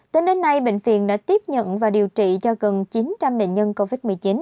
tính đến nay bệnh viện đã tiếp nhận và điều trị cho gần chín trăm linh bệnh nhân covid một mươi chín